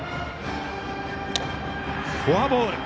フォアボール。